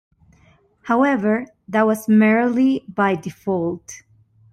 However, that was merely by default.